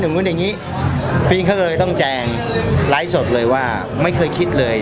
อย่างงี้บิลเขาก็เลยต้องแจงไร้สดเลยว่าไม่เคยคิดเลย